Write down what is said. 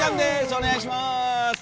お願いします！